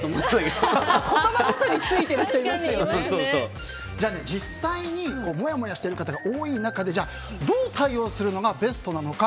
言葉ごとに実際にもやもやしている方が多い中でどう対応するのがベストなのか。